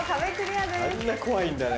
あんな怖いんだね。